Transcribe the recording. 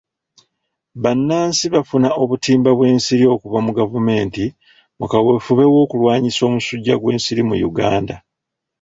Bannansi bafuna obutimba bw'ensiri okuva mu gavumenti mu kawefube w'okulwanyisa omusujja gw'ensiri mu Uganda.